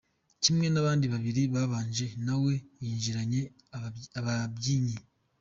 Kimwe n’abandi babiri babanje, nawe yinjiranye ababyinnyi.